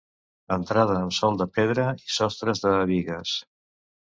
Entrada amb sòl de pedra i sostres de bigues.